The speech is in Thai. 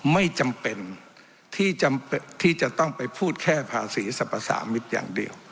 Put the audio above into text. ไม่จำเป็นที่จะต้องไปพูดแค่ภาษีสรรพสามิตรอย่างเดียว